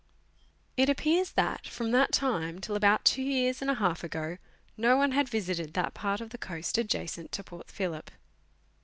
It appears that, from that time till about two years and a half ago, no one had visited that part of the coast adjacent to Port Phillip.